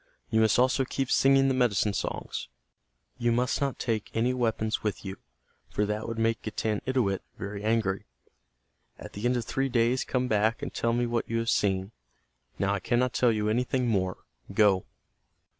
You must also keep singing the medicine songs. You must not take any weapons with you for that would make Getanittowit very angry. At the end of three days come back and tell me what you have seen. Now I cannot tell you anything more. Go."